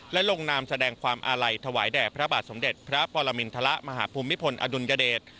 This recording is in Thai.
และลงนามแสดงความอาลัยถวายแด่พระบาทสมเด็จพระปรมินทรมาฮภูมิพลอดุลยเดช